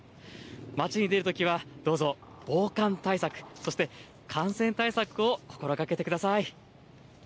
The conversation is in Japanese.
街に出るときはどうぞ防寒対策、そして感染対策を心がけてください。